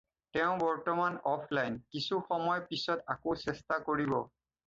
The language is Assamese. তেওঁ বৰ্তমান অফলাইন, কিছু সময় পিছত আকৌ চেষ্টা কৰিব।